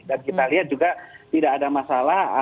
dan kita lihat juga tidak ada masalah